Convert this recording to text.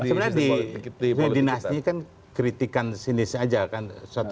sebenarnya di dinasti kan kritikan sini saja kan